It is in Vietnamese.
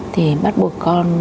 thì bắt buộc con